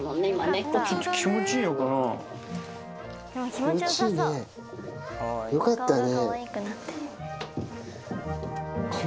気持ちいいねよかったね。